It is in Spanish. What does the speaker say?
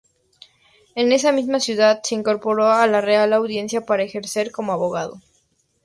En esa misma ciudad se incorporó a la Real Audiencia para ejercer como abogado.